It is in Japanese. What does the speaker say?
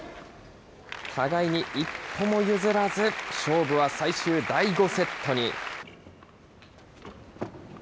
互いに一歩も譲らず、勝負は最終第５セットに。